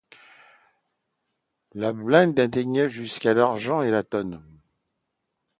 La blende atteignait jusqu'à d'argent à la tonne.